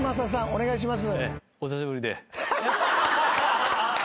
お願いします。